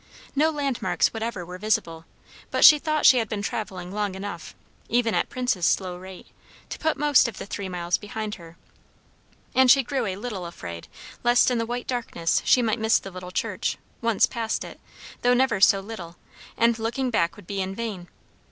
No landmarks whatever were visible, but she thought she had been travelling long enough, even at Prince's slow rate, to put most of the three miles behind her; and she grew a little afraid lest in the white darkness she might miss the little church; once past it, though never so little, and looking back would be in vain.